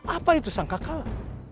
apa itu sangka kalah